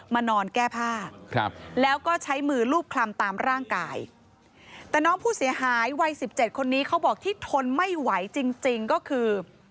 นอนแก้ผ้าแล้วก็ใช้มือรูปคลำตามร่างกายแต่น้องผู้เสียหายวัยสิบเจ็ดคนนี้เขาบอกที่ทนไม่ไหวจริงจริงก็คือ